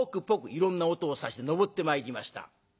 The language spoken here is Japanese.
いろんな音をさして登ってまいりました。